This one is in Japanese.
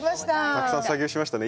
たくさん作業しましたね。